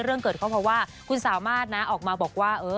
เรื่องเกิดก็เพราะว่าคุณสามารถนะออกมาบอกว่า